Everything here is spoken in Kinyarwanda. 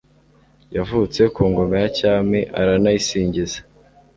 yavutse ku ngoma ya cyami aranayisingiza